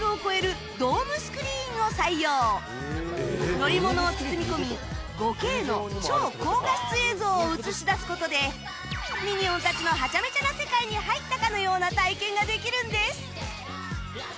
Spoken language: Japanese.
乗り物を包み込み ５Ｋ の超高画質映像を映し出す事でミニオンたちのハチャメチャな世界に入ったかのような体験ができるんです！